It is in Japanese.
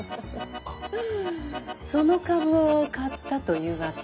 その株を買ったというわけ？